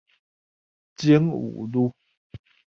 精武路